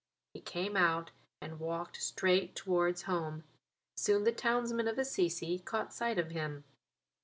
He came out and walked straight towards home. Soon the townsmen of Assisi caught sight of him.